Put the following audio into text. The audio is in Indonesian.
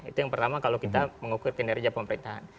itu yang pertama kalau kita mengukur kinerja pemerintahan